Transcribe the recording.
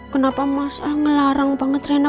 kenapa masalah ngelarang banget rina